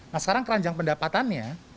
nah sekarang keranjang pendapatannya